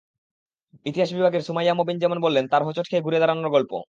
ইতিহাস বিভাগের সুমাইয়া মবিন যেমন বললেন তাঁর হোঁচট খেয়ে ঘুরে দাঁড়ানোর গল্প।